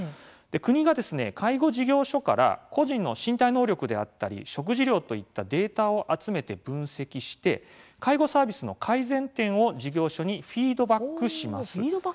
国が介護事業所から個人の身体能力であったり食事量といったデータを集めて分析して介護サービスの改善点を事業所にフィードバックします。